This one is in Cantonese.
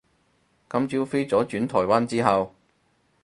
今朝飛咗轉台灣之後